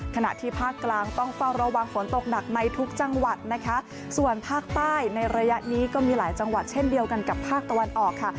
ขณะที่ภาคกลางต้องเฝ้าระวังฝนตกหนักในทุกจังหวัดนะคะส่วนภาคใต้ในระยะนี้ก็มีหลายจังหวัดเช่นเดียวกันกับภาคตะวันออกค่ะ